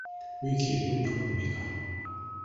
Wiiki erimu ennaku mmeka?